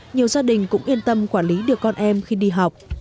nhiều gia đình cũng yên tâm quản lý được con em khi đi học